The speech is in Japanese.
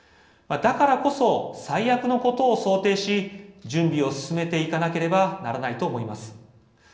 だからこそ最悪のことを想定し準備を進めていかなければならないと思います。